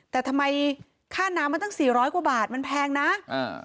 แต่ทำไมค่าน้ำมันตั้งสี่ร้อยกว่าบาทมันแพงนะอ่า